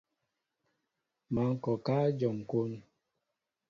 Má ŋkɔkă éjom kón.